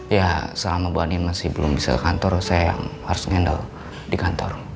ya selama bu anin masih belum bisa ke kantor saya yang harus ngendal di kantor